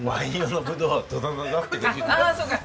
ああそうか。